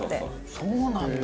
そうなんだ！